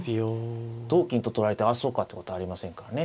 同金と取られてあそうかってことありませんからね。